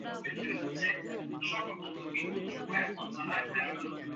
বসে কী হল খুলে বলো সব।